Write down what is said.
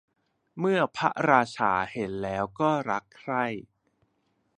เมื่อพระราชาเห็นแล้วก็รักใคร่